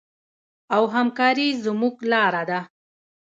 او همکاري زموږ لاره ده.